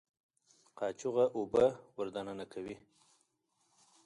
قاچوغه اوبه ور دننه کوي.